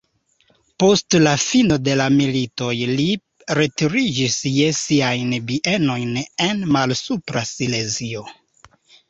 Post la fino de la militoj li retiriĝis je siajn bienojn en Malsupra Silezio.